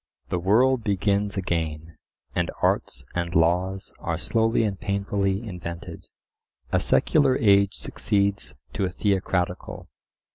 The world begins again, and arts and laws are slowly and painfully invented. A secular age succeeds to a theocratical.